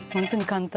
簡単！